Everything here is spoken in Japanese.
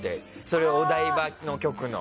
それをお台場の局の。